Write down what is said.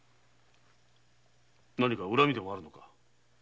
なにか恨みでもあるのか？